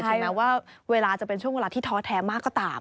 ถึงแม้ว่าเวลาจะเป็นช่วงเวลาที่ท้อแท้มากก็ตาม